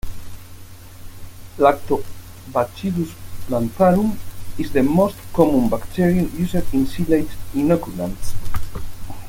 "Lactobacillus plantarum" is the most common bacterium used in silage inoculants.